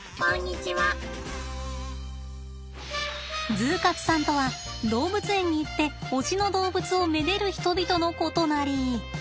ＺＯＯ活さんとは動物園に行って推しの動物を愛でる人々のことなり。